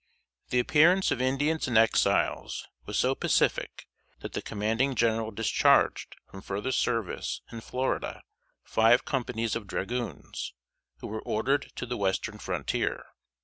The appearance of Indians and Exiles was so pacific that the Commanding General discharged from further service in Florida five companies of dragoons, who were ordered to the western frontier.